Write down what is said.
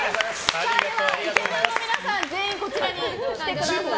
ではイケメンの皆さん全員こちらに来てください。